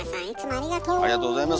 ありがとうございます。